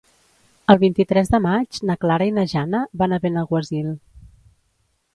El vint-i-tres de maig na Clara i na Jana van a Benaguasil.